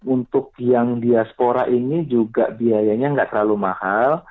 untuk yang diaspora ini juga biayanya nggak terlalu mahal